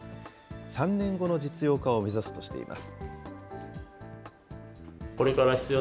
３年後の実用化を目指すとしています。